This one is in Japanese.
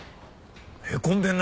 へこんでるな！